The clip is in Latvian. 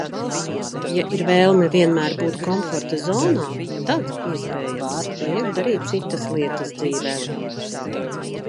Ja ir vēlme vienmēr būt komforta zonā, tad, iespējams, vajag darīt citas lietas dzīvē.